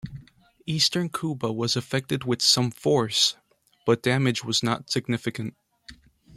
Eastern Cuba was affected "with some force", but damage was not significant.